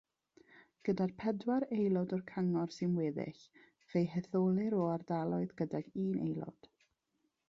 Gyda'r pedwar aelod o'r cyngor sy'n weddill, fe'i hetholir o ardaloedd gydag un aelod.